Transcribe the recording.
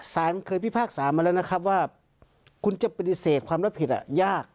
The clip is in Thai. สารเคยพิพากษามาแล้วนะครับว่าคุณจะปฏิเสธความรับผิดยาก